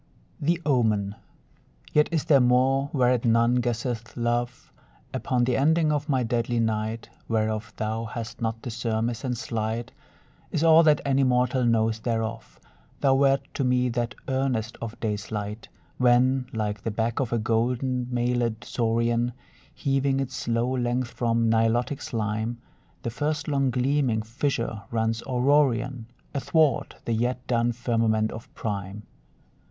THE OMEN Yet is there more, whereat none guesseth, love! Upon the ending of my deadly night (Whereof thou hast not the surmise, and slight Is all that any mortal knows thereof), Thou wert to me that earnest of day's light, When, like the back of a gold mailèd saurian Heaving its slow length from Nilotic slime, The first long gleaming fissure runs Aurorian Athwart the yet dun firmament of prime.